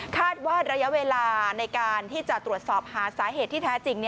ระยะเวลาในการที่จะตรวจสอบหาสาเหตุที่แท้จริง